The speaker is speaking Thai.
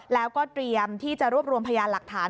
แล้วก็เตรียมที่จะรวบรวมพยานหลักฐาน